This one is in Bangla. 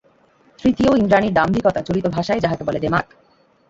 তৃতীয়, ইন্দ্রাণীর দাম্ভিকতা, চলিত ভাষায় যাহাকে বলে দেমাক।